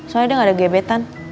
soalnya dia gak ada gebetan